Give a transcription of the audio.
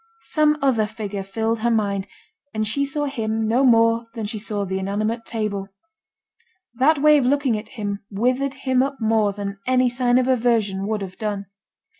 Some other figure filled her mind, and she saw him no more than she saw the inanimate table. That way of looking at him withered him up more than any sign of aversion would have done.